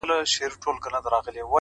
زوکام يم،